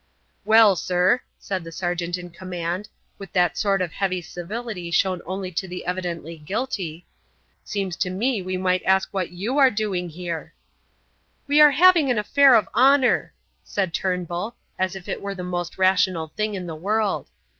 "Well, sir," said the sergeant in command, with that sort of heavy civility shown only to the evidently guilty, "seems to me we might ask what are you doing here?" "We are having an affair of honour," said Turnbull, as if it were the most rational thing in the world.